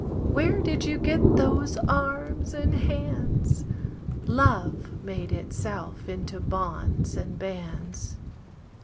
Where did you get those arms and hands? Love made itself into bonds and bands.